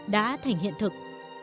đã thành hiện thực